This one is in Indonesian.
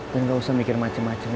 dan gak usah mikir macem macem ya